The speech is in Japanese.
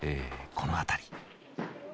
この辺り。